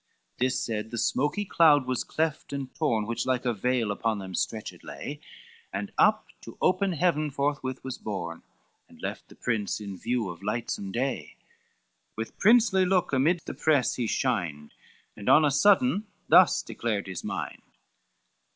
This said, the smoky cloud was cleft and torn, Which like a veil upon them stretched lay, And up to open heaven forthwith was borne, And left the prince in view of lightsome day, With princely look amid the press he shined, And on a sudden, thus declared his mind.